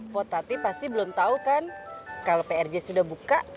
bu tati pasti belum tau kan kalau prj sudah buka